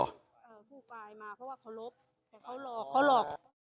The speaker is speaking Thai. ผู้ปลายมาเพราะว่าเค้ารบเค้าหลอกเค้าหลอก